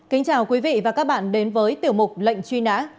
kính chào quý vị và các bạn đến với tiểu mục lệnh truy nã